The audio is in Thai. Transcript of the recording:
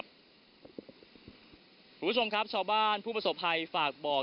คุณผู้ชมครับชาวบ้านผู้ประสบภัยฝากบอก